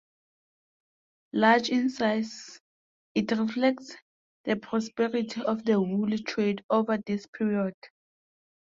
Large in size, it reflects the prosperity of the wool trade over this period!